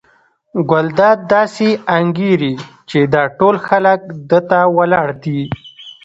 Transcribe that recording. ګلداد داسې انګېري چې دا ټول خلک ده ته ولاړ دي.